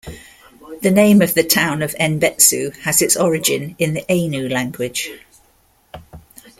The name of the town of Enbetsu has its origin in the Ainu language.